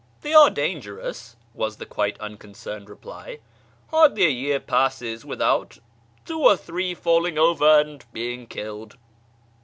" Tliey are dangerous," was the quite uncon cerned reply ;" hardly a year passes without two or three falling over and being killed."